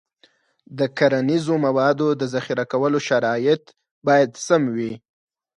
د کرنیزو موادو د ذخیره کولو شرایط باید سم وي.